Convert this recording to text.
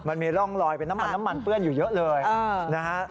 มันมีร่องลอยเป็นน้ำมันน้ำมันเปื้อนอยู่เยอะเลยนะฮะ